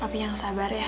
tapi yang sabar ya